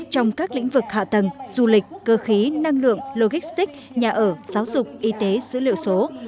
trong các lĩnh vực hạ tầng du lịch cơ khí năng lượng logistic nhà ở giáo dục y tế dữ liệu số